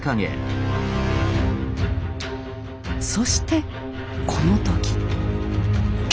そしてこの時。